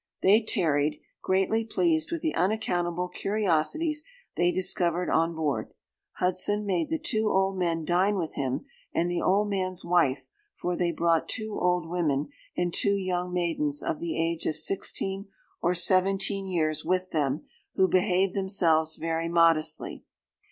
They tarried, greatly pleased with the unaccountable curiosities they discovered on board. Hudson 'made the two old men dine with him, and the old man's wife; for they brought two old women, and two young maidens of the age of sixteen or seventeen years with them, who behaved themselves very modestly.